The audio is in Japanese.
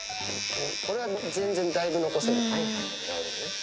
これは全然だいぶ残せる。